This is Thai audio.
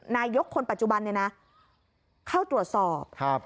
นายกคนปัจจุบันเนี่ยนะเข้าตรวจสอบครับ